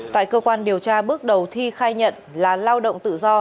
tại cơ quan điều tra bước đầu thi khai nhận là lao động tự do